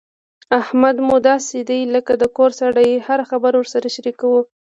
احمد مو داسې دی لکه د کور سړی هره خبره ورسره شریکوو.